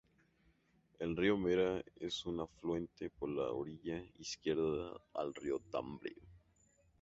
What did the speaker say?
El río Mera es un afluente por la orilla izquierda al río Tambre.